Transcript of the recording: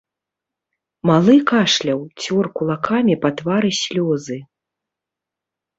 Малы кашляў, цёр кулакамі па твары слёзы.